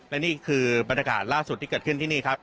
และนี่คือบรรยากาศล่าสุดที่เกิดขึ้นที่นี่ครับ